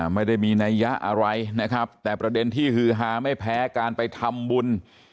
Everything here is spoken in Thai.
ไม่ได้มีนัยยะอะไรนะครับแต่ประเด็นที่ฮือฮาไม่แพ้การไปทำบุญ